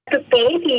thực tế thì